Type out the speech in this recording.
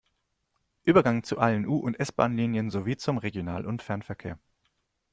Übergang zu allen U- und S-Bahnlinien sowie zum Regional- und Fernverkehr.